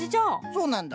そうなんだ。